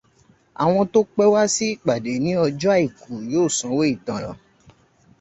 Àwọn tó pẹ́ wá sí ìpàdé ní ọjọ́ àìkú yóò sanwó ìtanràn.